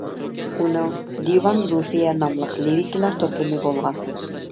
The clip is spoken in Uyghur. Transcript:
ئۇنىڭ «دىۋان زۇلفىيە» ناملىق لىرىكىلار توپلىمى بولغان.